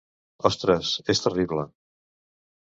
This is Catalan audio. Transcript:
Ostres, és terrible!